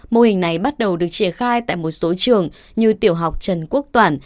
mô hình này bắt đầu được triển khai tại một số trường như tiểu học trần quốc toản